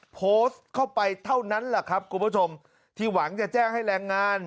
โพสต์เข้าไปเท่านั้นแหละครับคุณผู้ชมที่หวังจะแจ้งให้แรงงาน